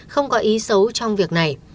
không có ý xấu trong việc này